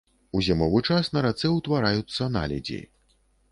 У зімовы час на рацэ ўтвараюцца наледзі.